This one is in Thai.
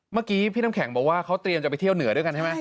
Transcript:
เมื่อกี้พี่น้ำแข็งบอกว่าเขาเตรียมจะไปเที่ยวเหนือด้วยกันใช่ไหม